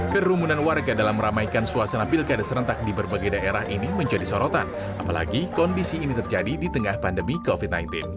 kerumunan warga dalam meramaikan suasana pilkada serentak di berbagai daerah ini menjadi sorotan apalagi kondisi ini terjadi di tengah pandemi covid sembilan belas